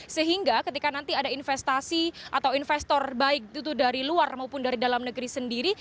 sehingga ketika nanti ada investasi atau investor baik itu dari luar maupun dari dalam negeri sendiri